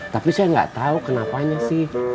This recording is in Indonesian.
tapi saya nggak tahu kenapa nya sih